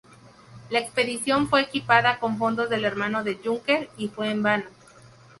La expedición fue equipada con fondos del hermano de Junker y fue en vano.